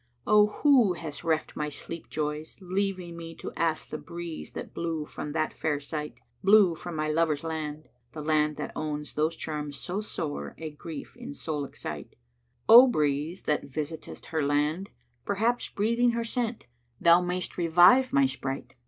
O who hast reft my sleep joys, leaving me * To ask the breeze that blew from that fair site,— Blew from my lover's land (the land that owns * Those charms so sore a grief in soul excite), 'O breeze, that visitest her land, perhaps * Breathing her scent, thou mayst revive my sprite!'"